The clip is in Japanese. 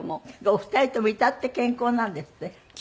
お二人とも至って健康なんですって？